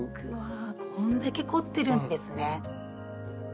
こんだけ凝ってるんですね。